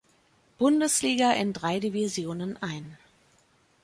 Bundesliga in drei Divisionen ein.